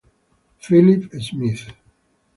Philip Smith